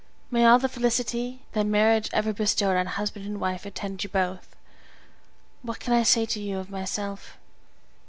May all the felicity that marriage ever bestowed on husband and wife attend you both! What can I say to you of myself?